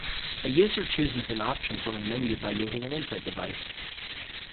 A user chooses an option from a menu by using an input device.